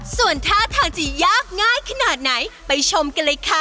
ส่วนท่าทางจะยากง่ายขนาดไหนไปชมกันเลยค่ะ